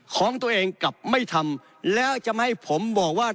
ของตัวเองกลับไม่ทำแล้วจะไม่ให้ผมบอกว่า